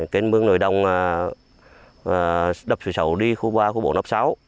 cây mương nổi đồng đập sửa sấu đi khu ba khu bốn đập sáu